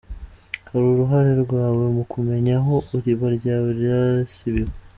Hari uruhare rwawe mu kumenya aho iriba ryawe ryasibiwe.